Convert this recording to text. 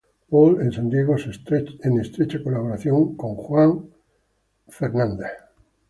Paul en San Diego, en estrecha colaboración con John Sanford.